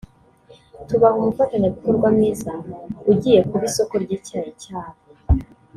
tubaha umufatanyabikorwa mwiza ugiye kuba isoko ry’icyayi cyabo